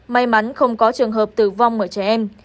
may mắn không có trường hợp tử vong ở trẻ em